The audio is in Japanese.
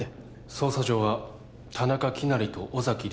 捜査上は田中希也と尾崎莉